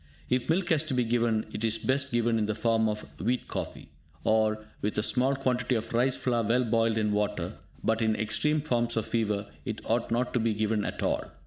If milk has to be given, it is best given in the form of "wheat coffee", or with a small quantity of rice flour well boiled in water; but in extreme forms of fever, it ought not to be given at all.